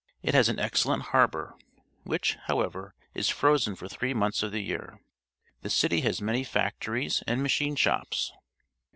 It has an excellent harbour, which, however, is frozen for three months of the year. The city has many factories and machine shops.